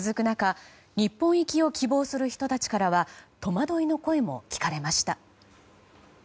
中日本行きを希望する人たちからは戸惑いの声も聞かれました。